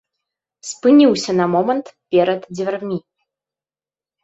Спыніўся на момант перад дзвярмі.